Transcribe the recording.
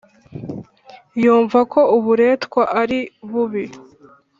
yumva ko uburetwa ari bubi